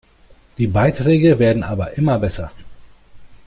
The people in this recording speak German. Die Beiträge werden aber immer besser.